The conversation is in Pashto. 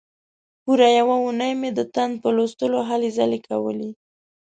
پوره یوه اونۍ مې د تاند په لوستلو هلې ځلې کولې.